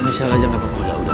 nusial aja nggak apa apa